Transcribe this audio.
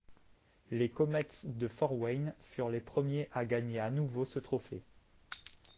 Les Komets de Fort Wayne furent les premiers à gagner à nouveau ce trophée.